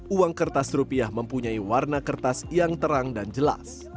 uang kertas rupiah mempunyai warna kertas yang terang dan jelas